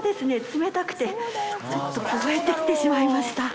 冷たくてちょっと凍えて来てしまいました。